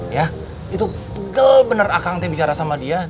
ya itu gel bener akang teh bicara sama dia